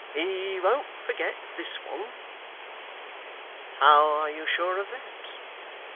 'He won't forget this one.' 'How are you sure of that?